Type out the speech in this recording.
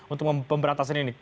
untuk memperbatasan ini